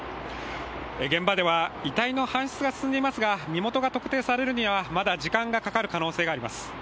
現場では遺体の搬出が進んでいますが身元が特定されるには、まだ時間がかかる可能性があります。